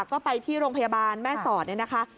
ก็ไปที่โรงพยาบาลแม่สอดเนี่ยนะคะ